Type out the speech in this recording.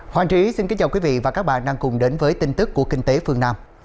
hoàng trí xin kính chào quý vị và các bạn đang cùng đến với tin tức của kinh tế phương nam